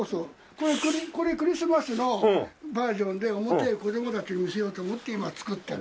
これクリスマスのバージョンで表で子供たちに見せようと思って今作ってる。